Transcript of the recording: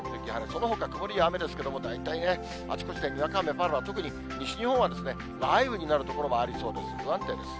そのほか曇りや雨ですけど、大体あちこちでにわか雨ぱらぱら、特に西日本は雷雨になる所もありそうです、不安定です。